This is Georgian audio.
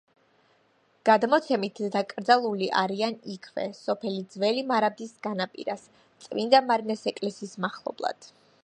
გადმოცემით, დაკრძალული არიან იქვე, სოფელი ძველი მარაბდის განაპირას წმინდა მარინეს ეკლესიის მახლობლად.